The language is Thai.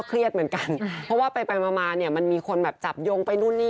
ไม่ใช่อะไรไปอดีตอีไปคอมเมนต์อะไรอย่างนี้